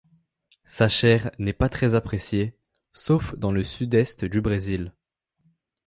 Sa chair n'est pas très appréciée sauf dans le sud-est du Brésil.